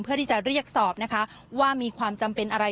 เพื่อที่จะเรียกสอบนะคะว่ามีความจำเป็นอะไร